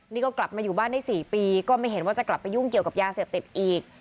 นี่ก็กลับมาอยู่บ้านได้๔ปีก็ไม่เห็นว่าจะกลับไปยุ่งเกี่ยวกับยาเสพติดอีก